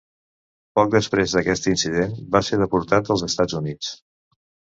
Poc després d'aquest incident, va ser deportar als Estats Units.